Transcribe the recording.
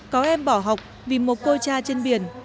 có em bỏ học vì một cô cha trên biển